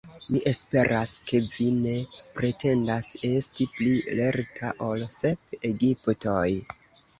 Mi esperas, ke vi ne pretendas esti pli lerta ol sep Egiptoj!